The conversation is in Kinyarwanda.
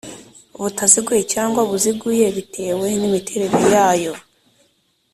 butaziguye cyangwa buziguye bitewe n imiterere yayo